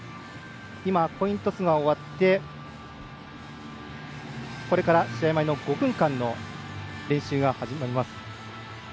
今、コイントスが終わってこれから試合前の５分間の練習が始まります。